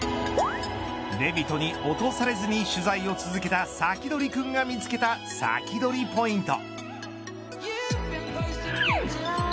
レヴィトに落とされずに取材を続けたサキドリくんが見つけたサキドリポイント。